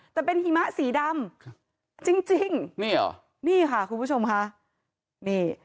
แต่เป็นหิมะสีดำครับจริงจริงนี่เหรอนี่ค่ะคุณผู้ชมค่ะนี่